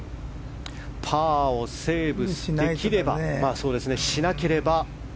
パーをセーブできればしなければ。